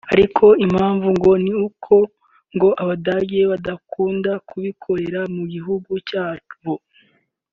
Ariko impamvu ni uko ngo Abadage badakunda kubikorera mu gihugu cyabo